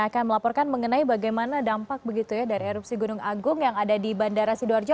akan melaporkan mengenai bagaimana dampak begitu ya dari erupsi gunung agung yang ada di bandara sidoarjo